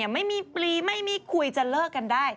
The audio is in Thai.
ไม่มีปลีไม่มีคุยจะเลิกกันได้